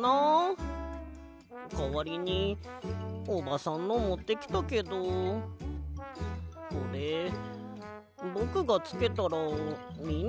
かわりにおばさんのもってきたけどこれぼくがつけたらみんなわらうかな？